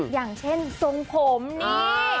อย่างเช่นทรงผมนี่